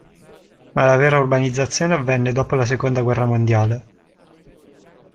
Ma la vera urbanizzazione avvenne dopo la seconda guerra mondiale.